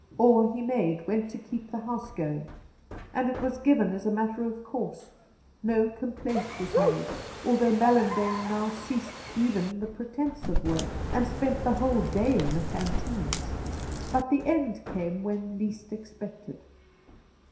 All he made went to keep the house going, and it was given as a matter of Cassidy 163 course. No complaint was made, although Mallan dane now ceased even the pretence of work and spent the whole day in the canteens. But the end came when least expected.